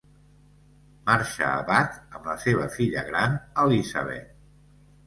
Marxa a Bath amb la seva filla gran, Elizabeth.